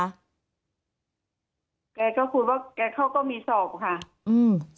แกก็คุยว่าแกเขาก็มีสอบค่ะ